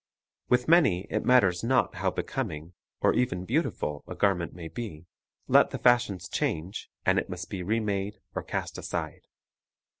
With many it matters not how becoming, or even beautiful, a garment may be, let the fashions change, and it must be remade or cast aside.